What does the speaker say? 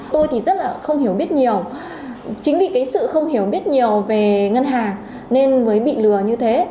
tôi thì rất là không hiểu biết nhiều chính vì cái sự không hiểu biết nhiều về ngân hàng nên mới bị lừa như thế